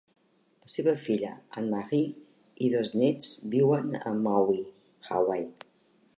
La seva filla, Anne Marie, i dos nets viuen a Maui (Hawaii).